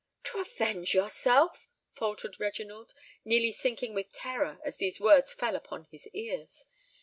"To avenge yourself!" faltered Reginald, nearly sinking with terror as these words fell upon his ears.